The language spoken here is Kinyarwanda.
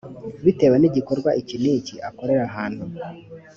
bitewe nigikorwa iki n iki akorera ahantu